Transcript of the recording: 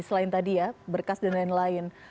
selain tadi ya berkas dan lain lain